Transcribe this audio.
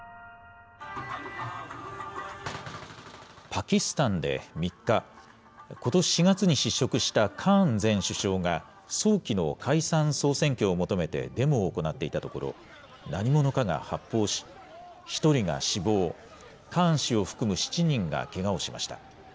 パキスタンで３日、ことし４月に失職したカーン前首相が、早期の解散・総選挙を求めてデモを行っていたところ、何者かが発砲し、１人が死亡、カーン氏を含む７人がけがをしました。